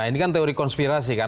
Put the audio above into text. ini kan teori konspirasi kan